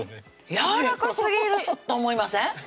やわらかすぎると思いません？